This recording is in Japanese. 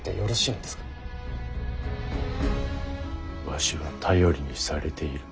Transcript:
わしは頼りにされている。